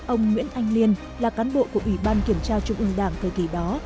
ông nguyễn anh liên là cán bộ của ủy ban kiểm tra trung ương đảng thời kỳ đó